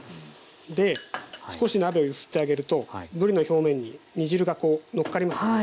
少し鍋を揺すってあげるとぶりの表面に煮汁がのっかりますよね。